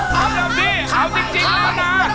สำดับให้เอาจริงแล้วนะ